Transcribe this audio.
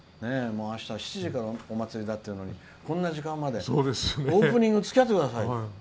あした７時からお祭りだっていうのにこんな時間までオープニングつきあってください。